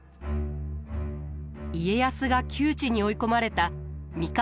家康が窮地に追い込まれた三河